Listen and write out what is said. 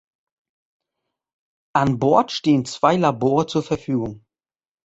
An Bord stehen zwei Labore zur Verfügung.